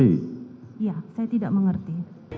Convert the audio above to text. iya saya tidak mengerti